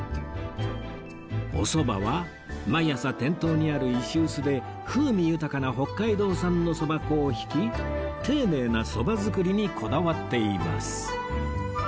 おそばは毎朝店頭にある石臼で風味豊かな北海道産のそば粉を挽き丁寧なそば作りにこだわっています